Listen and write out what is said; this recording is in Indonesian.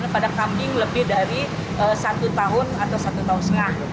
pada kambing lebih dari satu tahun atau satu tahun setengah